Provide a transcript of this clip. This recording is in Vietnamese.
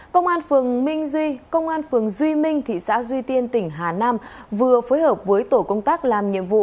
công an phường duy minh thị xã duy tiên tỉnh hà nam vừa phối hợp với tổ công tác làm nhiệm vụ